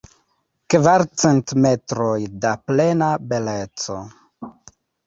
Kvarcent metroj da plena beleco.